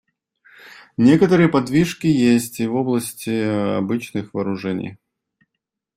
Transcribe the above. Некоторые подвижки есть и в области обычных вооружений.